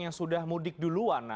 yang sudah mudik duluan